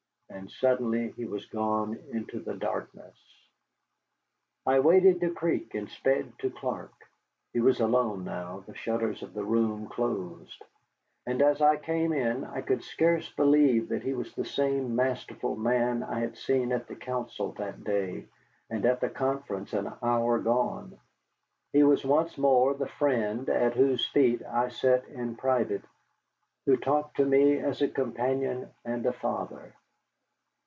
And suddenly he was gone into the darkness. I waded the creek and sped to Clark. He was alone now, the shutters of the room closed. And as I came in I could scarce believe that he was the same masterful man I had seen at the council that day, and at the conference an hour gone. He was once more the friend at whose feet I sat in private, who talked to me as a companion and a father.